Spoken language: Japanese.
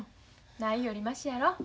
ないよりましやろ。